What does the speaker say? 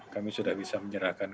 kami sudah bisa menyerahkan